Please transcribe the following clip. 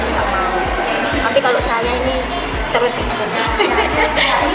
tapi kalau saya ini terus ikut